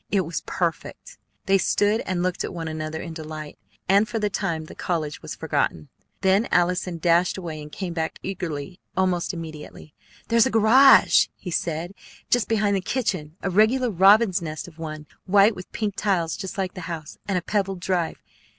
It was perfect! They stood and looked at one another in delight, and for the time the college was forgotten. Then Allison dashed away, and came back eagerly almost immediately. "There's a garage!" he said, "just behind the kitchen, a regular robin's nest of a one, white with pink tiles just like the house, and a pebbled drive.